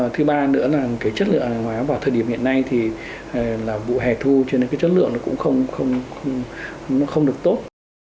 thứ ba nữa là cái chất lượng vào thời điểm hiện nay là vụ hẻ thu cho nên cái chất lượng nó cũng không được tốt